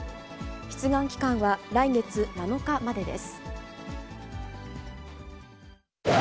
出願期間は来月７日までです。